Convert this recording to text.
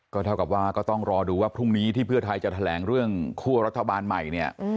เท่ากับว่าก็ต้องรอดูว่าพรุ่งนี้ที่เพื่อไทยจะแถลงเรื่องคั่วรัฐบาลใหม่เนี่ย